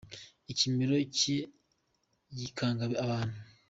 Ikimero cye gikanga abantu.